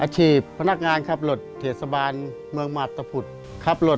เชิญครับ